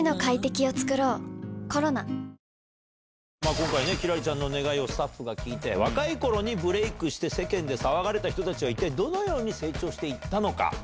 今回輝星ちゃんの願いを聞いて若い頃にブレイクして世間で騒がれた人たちはどのように成長して行ったのか。